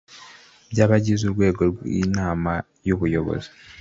by abagize Urwego rw Inama y Ubuyobozi